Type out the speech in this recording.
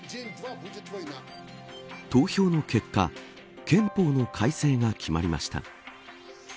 投票の結果、憲法の改正が決まりました。